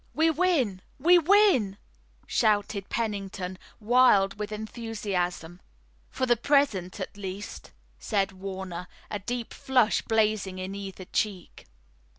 "We win! We win!" shouted Pennington, wild with enthusiasm. "For the present, at least," said Warner, a deep flush blazing in either cheek.